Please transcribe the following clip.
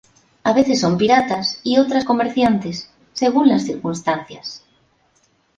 A veces son piratas y otras comerciantes, según las circunstancias.